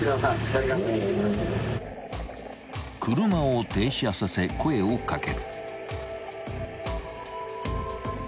［車を停車させ声を掛ける］